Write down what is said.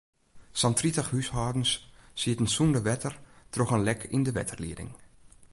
Sa'n tritich húshâldens sieten sûnder wetter troch in lek yn de wetterlieding.